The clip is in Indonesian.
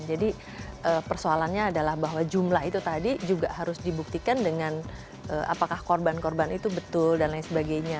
jadi persoalannya adalah bahwa jumlah itu tadi juga harus dibuktikan dengan apakah korban korban itu betul dan lain sebagainya